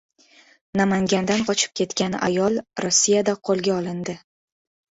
Namangandan qochib ketgan ayol Rossiyada qo‘lga olindi